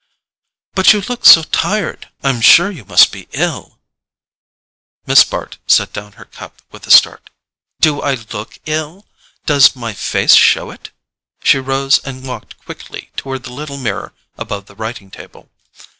"But you look so tired: I'm sure you must be ill——" Miss Bart set down her cup with a start. "Do I look ill? Does my face show it?" She rose and walked quickly toward the little mirror above the writing table.